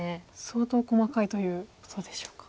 相当細かいということでしょうか。